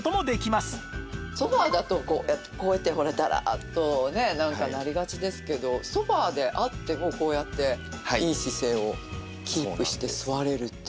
ソファだとこうやってほらダラっとねなんかなりがちですけどソファであってもこうやっていい姿勢をキープして座れるっていう。